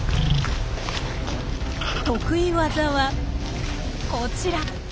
得意技はこちら。